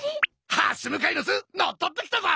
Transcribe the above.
はす向かいの巣乗っ取ってきたぞ！